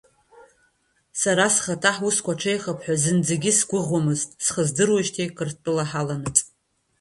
Сара схаҭа ҳусқәа ҽеихап ҳәа зынӡагьы сгәыӷӡомызт схы сдыруеижьҭеи Қырҭтәыла ҳаланаҵ.